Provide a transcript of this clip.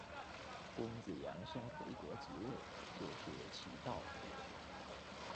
公子阳生回国即位就是齐悼公。